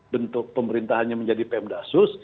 bentuk pemerintahnya menjadi pemdasus